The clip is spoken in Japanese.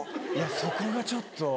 そこがちょっと。